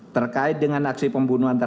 terkait dengan aksi pembunuhan